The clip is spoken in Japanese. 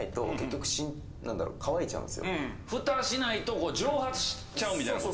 フタしないと蒸発しちゃうみたいなこと？